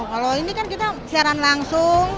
kalau ini kan kita siaran langsung